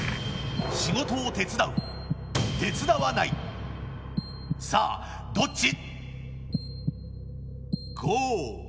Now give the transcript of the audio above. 仕事を手伝う、手伝わないさあどっち？